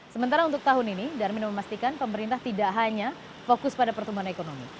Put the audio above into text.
sementara untuk tahun ini darmin memastikan pemerintah tidak hanya fokus pada pertumbuhan ekonomi